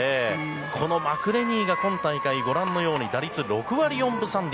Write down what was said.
このマクレニーが今大会、打率６割４分３厘。